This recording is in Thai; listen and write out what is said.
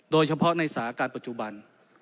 โดยเฉพาะในสาการณ์ปัจจุบัน